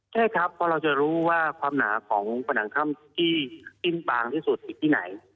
ใช่ครับเพราะเราจะรู้ว่าความหนาของผนังถ้ำที่สิ้นบางที่สุดอยู่ที่ไหน